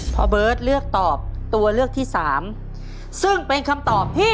เบิร์ตเลือกตอบตัวเลือกที่สามซึ่งเป็นคำตอบที่